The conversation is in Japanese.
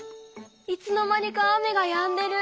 いつの間にか雨がやんでる！